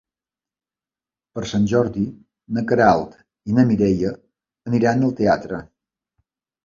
Per Sant Jordi na Queralt i na Mireia aniran al teatre.